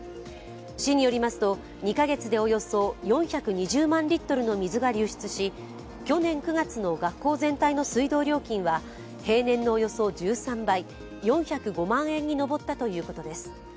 市によりますと２カ月でおよそ４２０万リットルの水が流出し去年９月の学校全体の水道料金は平年のおよそ１３倍、４０５万円に上ったということです。